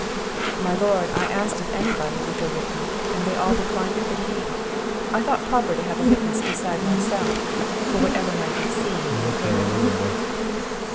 "My Lord, I asked if any body would go with me, and they all declined it but he; I thought proper to have a witness beside myself, for whatever might be seen or heard."